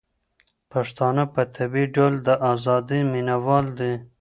پښتانه په طبيعي ډول د ازادۍ مينه وال دي.